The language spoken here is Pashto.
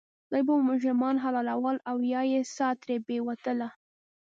دوی به مجرمان حلالول او یا یې سا ترې بیټوله.